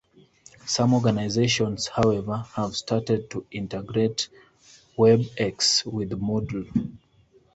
Some organizations, however, have started to integrate WebEx with Moodle.